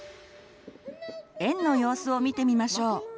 園の様子を見てみましょう。